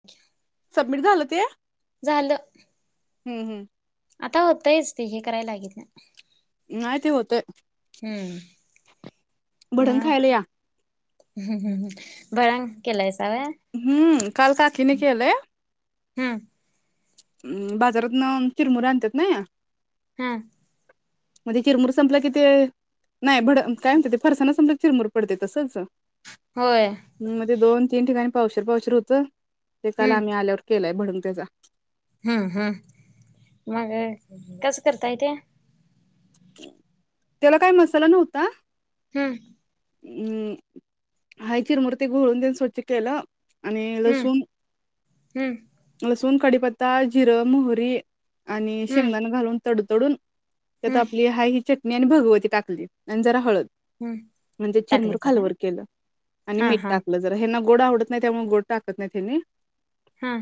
Thank you submit झालते झालं हम्म, हम्म आता होतयच ते हे करायला लागित नाही नाही ते होत हम्म भडंग मग खायला या हम्म हम् भडंग केलायस हम्म काल काकी न केलय हम्म अम बाजारात न चिरमुरे आणतात नाई हा म्हणजे चिरमूर संपलं कि ते नाही भड काय म्हणत ते फरसाना संपलं चिरमूर पडते तसच होय हम् मग ते दोन तीन ठिकाणी पावशर पावशीर होतं ते काला हम्म आम्ही आल्यावर केलंय भडंग त्याचा हम्म, हम्म मग कसं करताय ते त्याला काय मसाला नव्हता हम्म हम्म हाय चिरमुरे घोळून तेन स्वच्छ केलं आणि हम्म लसूण, हम्म लसूण कडीपत्ता जिरं मोहरी आणि हम्म शेंगदाणा घालून तडतडून हम्म च भगवती टाकली जरा हळद हम्म म्हणजे चिरमूर टाकलीसा काय खालवर केलं आणि हा मीठ हा टाकलं जरा हे ना गोडा उडत नाही त्यामुळे गोड टाकत नाही त्यांनी. हा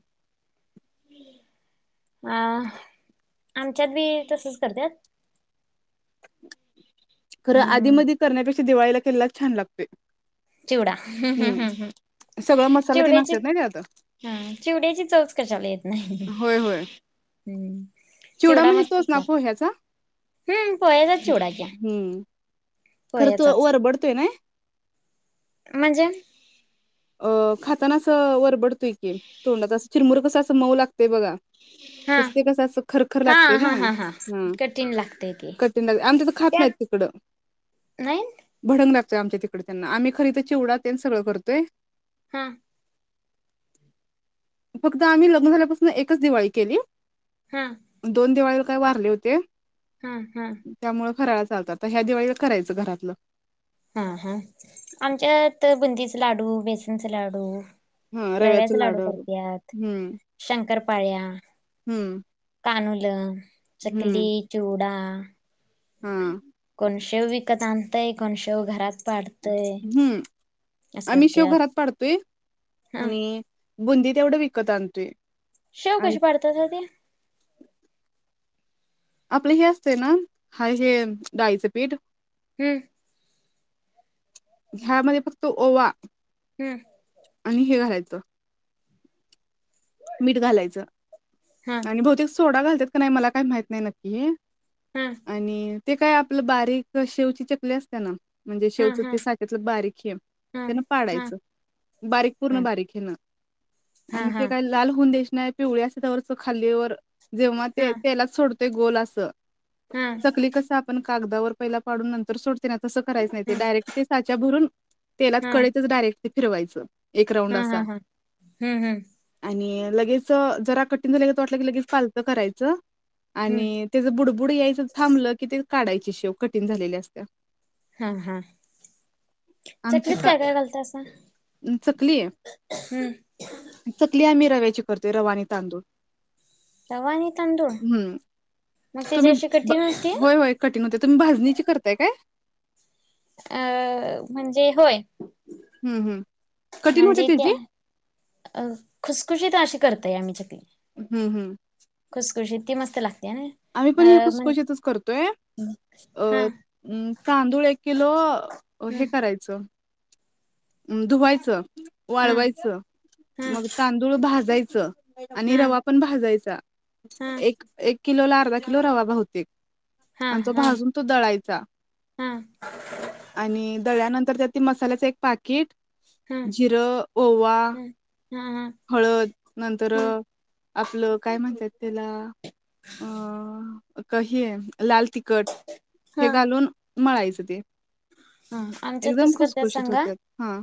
[unintelligible] अ आमच्यात बी तसच करत्यात. खरं आधी हम्म मध करण्यापेक्षा दिवाळीला केलेला छान लागतो. चिवडा हम्म हम्म हम्म हम्म सगळं मसाला तेन चिवड्याची असत्यात ना त्यात हा चिवड्याची चवच कशाला येत नाही. होय होय हम्म चिवडा म्हणजे तोच मस्तच ना लाग पोह्याचा हम्म पोह्याच चिवडा घ्या. हम्म खर्च वर बडतोय ना. म्हणजे अ खाताना असं वरबडतो इ की तोंडाचा अस चिरमुर कसं असं मऊ लागतेय बघा. हा तस ते कसं अस खरखर हा लागते ना हा हा हा ह कठीण लागतय ते कठीण लागते आमच्या तर खात त्यात नाही. तिकड नाही भडंग आमच्या तिकडे त्यांना आम्ही खरी तर चिवडा त्यां सगंळ करतोय. हा. फक्त आम्ही लग्न झाल्यापासून एकच दिवाळी केली. हा दोन दिवाळीला काही वारले होते हा हा त्यामुळे फराळा चालत ह्या दिवाळीला करायचं घरातलं. हा हा आमच्यात बुंदीचे लाडू बेसनचे लाडू हा रव्याचं रव्याचे लाडू करत्यात हम्म शंकरपाळ्या हम्म. कानुलं चकली, हम्म चिवडा हा को शेव विकत आणतय कोण शेव घरात पाडतय. हम्म असं आम्ही शेव करत्यात घरात पाडतोय हा आणि बुंदी तेवढं विकत आणतोय. शेव आणि कशी पाडतात हो ते? आपले हे असते ना हा हे डाळीचे पीठ हम्म. ह्यामध्ये फक्त ओवा हम्म आणि हे घालायचं मीठ घालायचं हा आणि बहुतेक सोडा घालतात का नाही मला काही माहित नाही नक्की हे. हा आणि ते काय आपलं बारीक शेवची चकली असते ना म्हणजे हा शेवचं हा चकली साच्यातल बारीक हेेंब हा त्यांन हा पाडायचं. बारीक पूर्ण बारीक हे ना. हा हा लाल होऊन द्यायची नाही पिवळी असली त्यावरच खाल्लीवर जेव्हा ते हा तेलाच सोडतोय गोल असं हा चकली कस आपण कागदावर पहिला पाडून नंतर सोडते ना तसं करायचं नाही ते हा डायरेक्ट ते साच्या भरून तेलात कळतच डायरेक्ट ते फिरवायचं. एक राऊंड हम्म, असा हम्म हम्म, हम्म, हम्म. आणि लगेच जरा कठीण झालं वाटलं की लगेच पालतं करायचं. हम्म आणि त्याचं बुडबुड यायचं थांबलं की ते काढायचे शेव कठीण झालेल्या असत. हा हा. आमची चकलीत का काय काय घालत असं चकली आहे हम्म चकली आम्ही रव्याची करतोय रवा आणि तांदूळ. रवा आणि तांदूळ. हम्म मग त्याची तुम्ही अशी कठीण होती होय होय कठिण होत तुम्ही भाजणीची करताय काय. अ म्हणजे होय. हम्म हम्म. कठीण होते म्हणजे त्या त्याची अ खुसखुशीत अशी करतय आम्ही चकली. हम्म हम्म खुसखुशीत ती मस्त लागते. ना आम्ही पण ह अ म्हण खुसखुशीत च करतोय. अ हा तांदूळ एक किलो ह हे करायचं धुवायचं हा वाळवायचं हा मग तांदूळ भाजायचं. आणि हा रवा पण भाजायचा हा एक किलो ला अर्धा किलो रवा बहुतेक हा आणि तो हा भाजून तो दळायचा. हा आणि दळ्यानंतर तर त्यातील मसाल्याचं एक पाकीट, हा जिरं, ओवा, ह हा हा हळद नंतर र, ह आपलं काय म्हणतात त्याला अं क हे, आहे लाल तिखट हा हे घालून. मळायचं, ते हा आमच्यात एकदम कसं खुस करतात खुशीत सांगा होत्यात हा.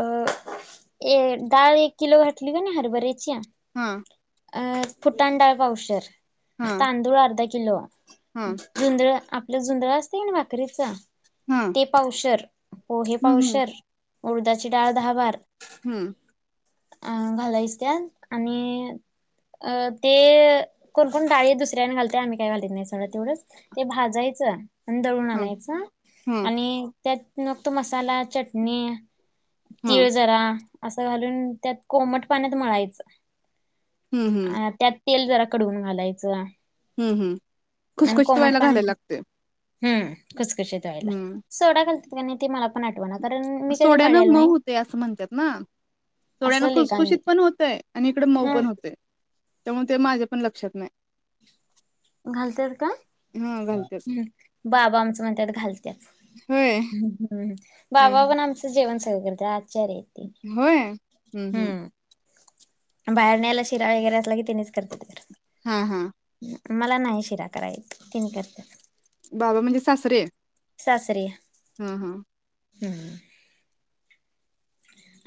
अ ए डाळ एक किलो घातली की नाही हरभऱ्याची. हम. अ फुटांण डाळ पावशेर, हा तांदूळ अर्धा किलो. हा झुंधळ, आपलं झुंधळ असतय कणी भाकरीच हा ते पावशेर. पोहे हम्म हम्म पावशर, उडदाची डाळ दहा बार. हम्म म. अ घालायच त्यात आणि हम्म. अ ते कोण-कोण डाळी दुसऱ्यान घालते. आम्ही काय घालत नाही सगळं तेवढंच ते भाजायचं. आणि दळून हम्म आणायच. हम्म आणि त्यात मग तो मसाला, चटणी. तीळ हम्म जरा असं घालून त्यात कोमट पाण्यात मळायचं. हम्म अ त्यात तेल जरा कडवून घालायचं. हम्म, आणि खुसखुशीत कोमट व्हायला घालायला पाण्यात लागतय. हम्म खुसखुशीत व्हायला सोडा घालतात का नाही ते मला पण आठवना कारण मी कधी सोड्यानं मळलेल मऊ नाही हुतय असं म्हणतात ना. थोड्यांना असं लेकांनी खुसखुशीत पण होतय आणि इकडे मऊ ह पण होतय. त्यामुळे ते माझ्या पण लक्षात नाही. घालत्यात का? हा घालतेच हम् बाबा आमचं म्हणत्यात घालत्यात. होय हूम् बाबा पण आमचं जेवण सगळं करत्यात आचारी हायीत. व्हय? हू हू. बाहेर न्यायला शिरा वगैरे असल की, तेनीच करत्यात घरात. हा हा. मला नाही शिरा कराय येत. तेनी करत्यात. बाबा म्हणजे सासरे? सासरे. हा हा. हुं.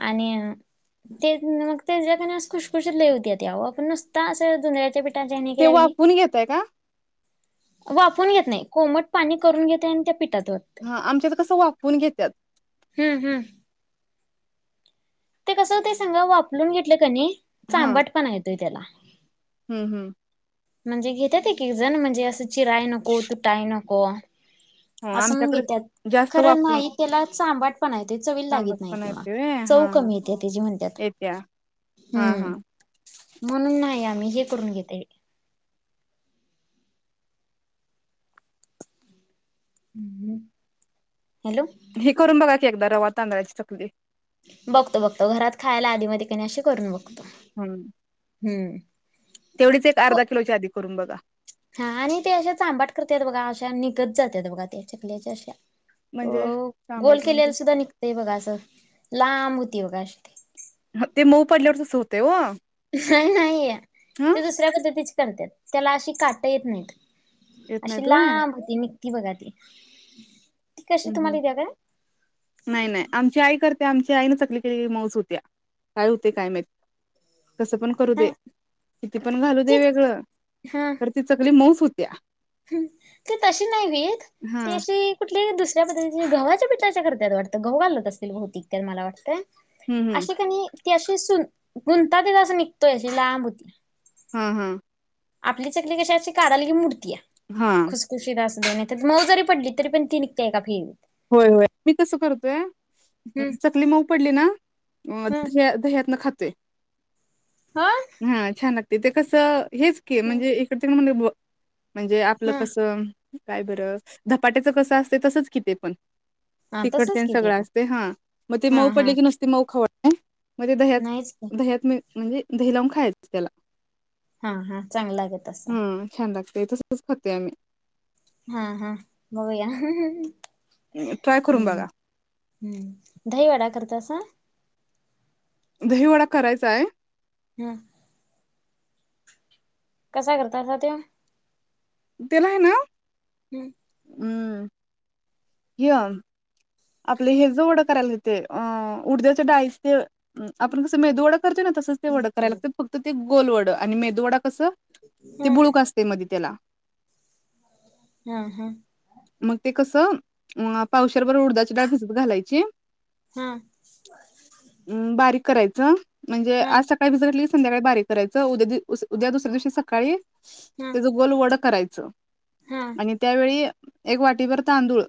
आणि अ. ते मग त्याच्यातल्या खुशखुशीत लय होत्याता ओ, आपण नुसत्या असं जुंधळयाच्या पिठाच्या ते वाफवून घेताय का? वाफवुन घेत नाही. कोमट पाणी करून घेतोय आणि त्या पिठ हा आमच्यात कसं वाफवून घेत्यात. हुं हुं. ते कसं होतय सांगा? वाफलून घेतलं कणी चांबट पणा येतोय त्याला हुं. म्हणजे घेत्यात एक एक जण म्हणजे असं चिराय नको, तुटाय नको हो आसं म्हणून आमच्याकडे घेत्यात, खर नाही तेला चांबट पणा येतोय चव व्हय. कमी येत्या त्याची म्हणत्यात. ऐत्या. हा हम्म हा. म्हणून नाही आम्ही हे करून घेतय - - हम् हम हॅलो. हे करून बघा की एकदा रवा तांदळाची चकली. बघतो बघतो. घरात खायला आधी मधी अशी करून बघतो. हम्म म्. हम्म मम. तेवढीच एक अर्धा किलोच्या आधी करून बघा. हा आणि ते अशे सांबाट करतात बघा अशा निघत जातात बघा ते चकल्याच्या अशा. म्हणजे हो गोल सांबाट म्हणजे केल्याला सुद्धा निघतय बघा असं लांब होती बघा अ. ते मऊ पडल्यावर तच होते व. नाही नाहीय ते दुसऱ्या पद्धतीच करतात त्याला अशी काटता येत नाहीत. येत अशी नाहीत व्हय लांब होती निघती बघा ती. ती कशी हम् तुम्हाला द्या काय नाही नाही आमची आई करते. आमच्या आईन चकले क मऊज होत्या काय होते काय माहिित. कसं पण करू दे नाही किती पण घालू दे ती वेगळं तर ती चकली मऊस होत्या. ह ते तशी नाही वेत हा ते अशी कुठली दुसरी. त्याद्ल घ ग्हाच्या पठाच्या करत वाटत घ गव घाल असतील भौतिक मला वाटतं. हम्म हम्म अशी कणी ती अशी सु गुंताातला असं निघतोय अशी लांब होती. हम हम्. आपली चकली कशीा असची कादालगी मूर्ती आहे हा खुसखुशीला असत. नाही मऊ जरी पड तरी पण ती निघते का फि. होय होय मी कस करतोय हम्म. चकली मऊ पडली ना. अ हम्म द दह्यातन खातोय हा हा छान लागते ते कसं. हेच क म्हणजे इकडे तिकडे म्ह. म्हणजे आपलं हा कसं काय बरं झधपाट्याचं कसं असते तसंच किथे पण. हा तसच तिकडच्या कि ते सगळं पण असते हा मग ते हा मऊ हा पडले की नुसती मऊ खवडते. मध्ये दह्यात नाहीच की दह्यात म म्हणजे दही लावून खायचं त्याला. हा हा चांगलागे तं. ते तसच खात आम्ही. हा हा मघया. हम्म ट्राय करून बघा हम्म दहीवाडा करत अस. दहीवडा करायचा आहे. हम्म. कसा करतता ते. तेला आहे ना. हम्म. हम् य. आपले हे ज ओढं करायला येते अ उडद्याच्या डाळीस ते आपण कसं मेदू डा. करत ना तसच ते वड कराय लागते फत ते गोल वड आणि मेू वडा. कस ते ह बुळूक असते मध्ये त्याला हम्म हम्म. मग ते कसं पावशरवर उडदाची डाळ भिजत घालायची. हमम अं बारीक करायचं म्हणजे आज सकाळी भिसरली संध्याकाळी बारीक करायचं उद्या उद्या दुसऱ्या दिवशी सकाळी. ह त्याच गोल वड करायचं ह आणि त्यावेळी. एक वाटी भर तांदूळ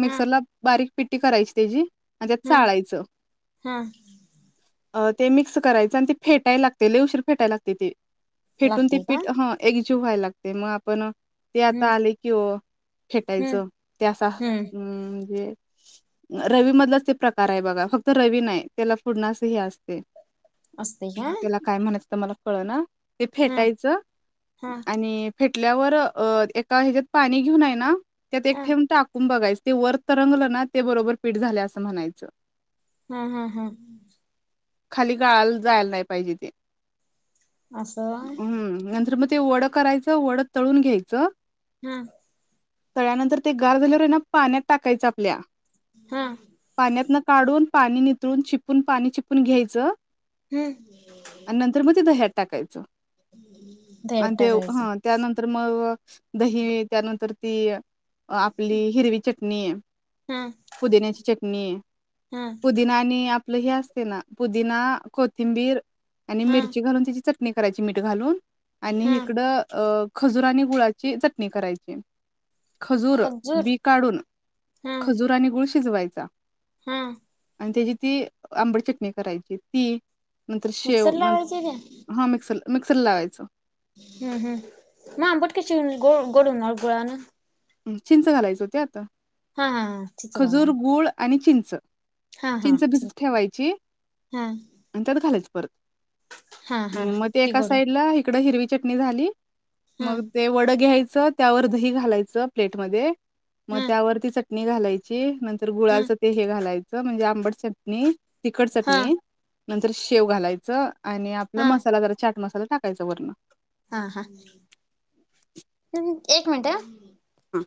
मिक्सरला बारीक पिट्टी करायची त्याची. म्हणजत ह चाळायचं. ह ते मिक्स करायच आणि तेी फेटायला लागते ललेवशीर फेटायला लागते त ते फेटून त लागतय का पीठ वा्हायला लागते मग आपण ते हम्म आता आले कि. ते हम्म फेटायचं ते हम्म असं रवी मधलाच प्रकार हा कराय बघा फक्त रवी नाही त्याला फुडनास ह असते. असतय का त्याला काय म्हणायचं मला कळ ना. ते ह फेटायचं ह आणि फेट टल्यावर अ एका ह्याच्यात पाणी घेऊन आहे ना त्यात एक ह ठेम टाकून बघायचं. ते वर तरंगलं ना ते बरोबर पीठ झाले असं म्हणायचं. हम्म हम् हम खाली गाळाला जायला नाही पाहिजे ते. असं होय.. हम्म नंतर मग ते वड करायचं वडं तळून घ्यायचं. हम तळ्यानंतर ते गार झाल्यावर आहे ना पाण्यात टाकायचं आपल्या हा पाण्यात न, काढून पाणी नितळून, चिपून पाणी चिपून घ्यायचं. हम्म आणि नंतर मग ती दह्यात टाकायचं. दह्यात आणि ते टाकायचं हा त्यानंतर मग दही त्यानंतर ती आपली हिरवी चटणी. हा पुदिन्याची चटणी, हा पुदिना आणि आप हे असते ना पुदीना कोथिंबीर आणि हा मिरची घालून त्याची चटणी. चटणी करायची मीठ घालून आणि हा इकडं अ खजुर आणि गुळाची चटणी करायची. खजूर बी काढून हा खजूर आणि गुळ शिजवायचा. हा.. आणि त्याची ती आंबट चटणी करायची ती नंतर शेव मिक्सर न लावायची का हा मिक्सर, मिक्सर लावायचं. हम्म हम् मग आंबट कशी ग गोड होणारन गुळा ना? चिंच घालायच ओ त्यात. हा हा चिंच घालायचं. आणि चिंच, चिंच भिजत ठेवायची हा आणि त्यात घालायची. ह् हा हा मग ते ती एका गोड साइडला इकड हिरवी चटणी झाली, हा मग ते वड घ्यायचं त्यावर दही घालायचं प्लेटमध्ये. मग हा त्यावरती चटणी घालायची नंतर हा गुळाचं ते हे घालायच, म्हणजे आंबड चटणी, तिखट हा चटणी नंतर शेव घालायच. आणि आपला हा मसाला जरा चाट मसाला टाकायं वर्ण. हा हा.., एक मिनट. हा..